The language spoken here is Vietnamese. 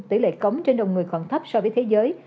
tỷ lệ cống trên đồng người còn thấp so với thế giới